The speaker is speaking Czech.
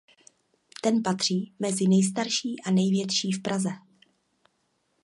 Ten patří mezi nejstarší a největší v Praze.